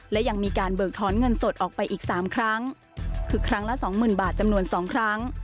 และยังมีการเบิกถอนเงินสดออกไปอีกสามครั้งคือครั้งละสองหมื่นบาทจำนวน๒ครั้ง